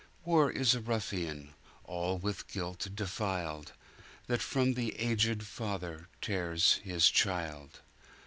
War is a ruffian, all with guilt defiled, That from the aged father tears his child!